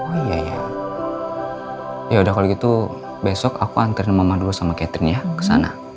oh iya ya ya udah kalau gitu besok aku anterin mama dulu sama catherine ya kesana